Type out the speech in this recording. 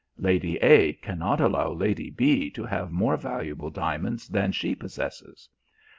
Lady A cannot allow Lady B to have more valuable diamonds than she possesses.